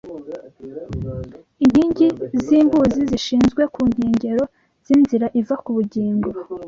inkingi z’imbuzi zishinzwe ku nkengero z’inzira iva ku bugingo.